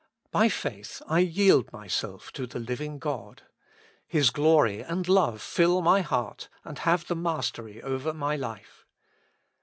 By faith I yield myself to the living God. His glory and love fill my heart, and have the mastery over my life.